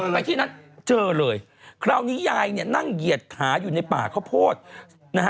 ไปที่นั้นเจอเลยคราวนี้ยายเนี่ยนั่งเหยียดขาอยู่ในป่าข้าวโพดนะฮะ